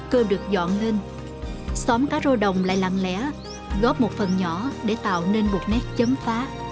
cơ được dọn lên xóm cá rô đồng lại lặng lẽ góp một phần nhỏ để tạo nên một nét chấm phá